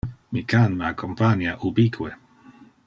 Mi can me accompania ubique.